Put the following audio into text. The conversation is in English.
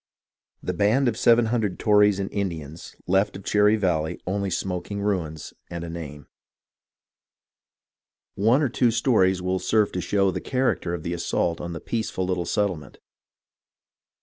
The band of seven hundred Tories and Indians left of SULLIVAN'S EXPEDITION 255 Cherry Valley only smoking ruins and a name. One or two stories will serve to show the character of the assault on the peaceful little settlement.